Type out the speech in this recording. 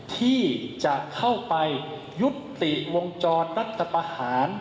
ที่จะเข้าไปยุติวงจรรัฐประหาร